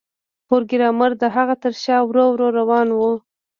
پروګرامر د هغه تر شا ورو ورو روان و